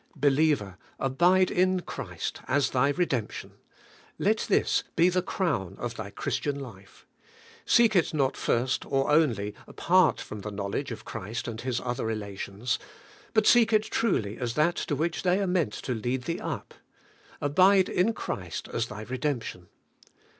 Believer, abide in Christ as thy redemption. Let this be the crown of thy Christian life. Seek it not first or only, apart from the knowledge of Christ in His other relations. But seek it truly as that to which they are meant to lead thee up. Abide in Christ as thy redemption.